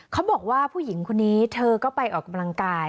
เขาบอกว่าผู้หญิงคนนี้เธอก็ไปออกกำลังกาย